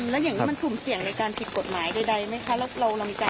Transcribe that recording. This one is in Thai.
แล้วอย่างนี้มันสุ่มเสี่ยงในการผิดกฎหมายใดไหมคะ